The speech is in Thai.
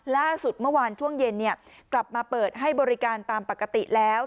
ล่าสุดเมื่อวานช่วงเย็นกลับมาเปิดให้บริการตามปกติแล้ว